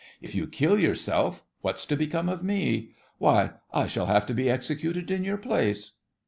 If you kill yourself, what's to become of me? Why, I shall have to be executed in your place!